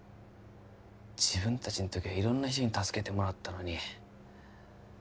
自分達の時は色んな人に助けてもらったのに